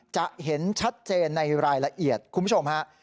จะเห็นชัดเจนในรายละเอียดคุณผู้ชมฮะ